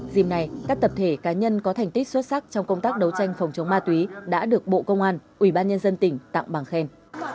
dìm này các tập thể cá nhân có thành tích xuất sắc trong công tác đấu tranh phòng chống ma túy đã được bộ công an ubnd tỉnh tặng bằng khen